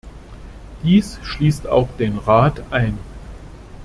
Dies schließt auch den Rat ein.